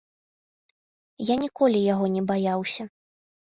Я ніколі яго не баяўся.